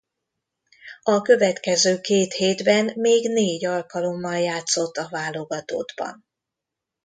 A következő két hétben még négy alkalommal játszott a válogatottban.